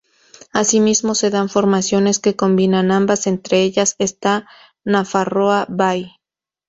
Asimismo se dan formaciones que combinan ambas, entre ellas está Nafarroa Bai.